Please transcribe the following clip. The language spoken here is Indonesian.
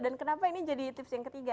dan kenapa ini jadi tips yang ketiga